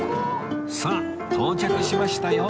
さあ到着しましたよ